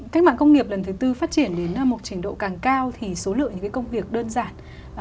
cách mạng công nghiệp lần thứ tư phát triển đến một trình độ càng cao thì số lượng những công việc đơn giản